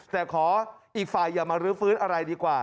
แต่ขออีกฝ่ายอย่ามารื้อฟื้นอะไรดีกว่า